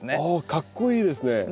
おかっこいいですね。